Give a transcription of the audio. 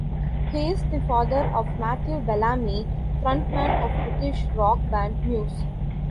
He is the father of Matthew Bellamy, frontman of British rock band Muse.